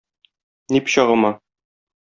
Ни пычагыма?!